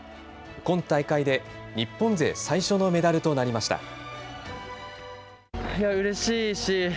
今大会で日本勢最初のメダルとなりました。